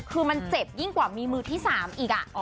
คือมันเจ็บยิ่งกว่ามีมือที่๓อีก